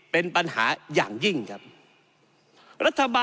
เป็นปัญหาอย่างยิ่งครับ